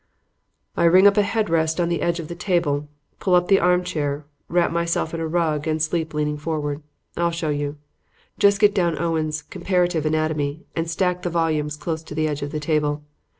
"I rig up a head rest on the edge of the table, pull up the armchair, wrap myself in a rug and sleep leaning forward. I'll show you. Just get down Owen's 'Comparative Anatomy' and stack the volumes close to the edge of the table.